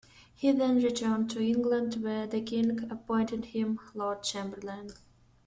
He then returned to England, where the king appointed him Lord Chamberlain.